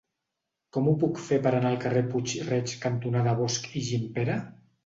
Com ho puc fer per anar al carrer Puig-reig cantonada Bosch i Gimpera?